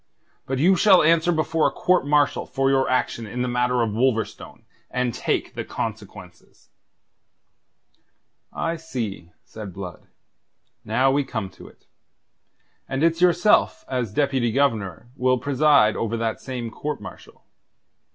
But you shall answer before a court martial for your action in the matter of Wolverstone, and take the consequences." "I see," said Blood. "Now we come to it. And it's yourself as Deputy Governor will preside over that same court martial.